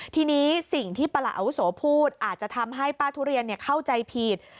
ทีนี้สิ่งที่ประหลาดอาวุโสพูดอาจจะทำให้ป้าทุเรียนเข้าใจผิด